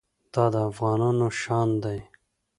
دا د افغانانو شان دی.